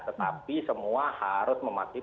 tetapi semua harus memastikan